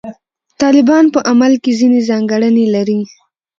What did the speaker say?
طالبان په عمل کې ځینې ځانګړنې لري.